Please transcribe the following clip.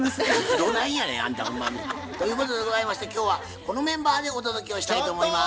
どないやねんあんたほんまに。ということでございまして今日はこのメンバーでお届けをしたいと思います。